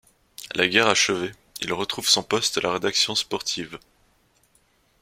La guerre achevée, il retrouve son poste à la rédaction sportive.